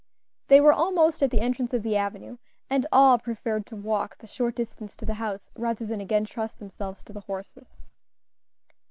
They were almost at the entrance of the avenue, and all preferred to walk the short distance to the house rather than again trust themselves to the horses.